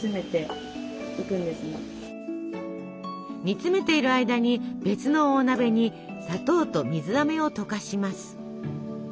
煮詰めている間に別の大鍋に砂糖と水あめを溶かします。